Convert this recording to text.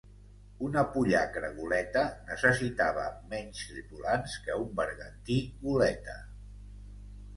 Una pollacra-goleta necessitava menys tripulants que un bergantí-goleta.